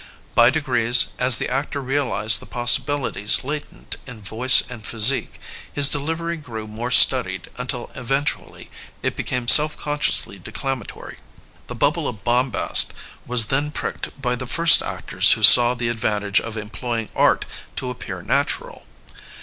By degrees, as the actor realized the possibili ties latent in voice and physique, his delivery grew more studied until eventually it became self con sciously declamatory. The bubble of bombast was then pricked by the first actors who saw the ad vantage of employing art to appear natural.